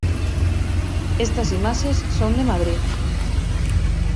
Estas imaxes son de Madrid.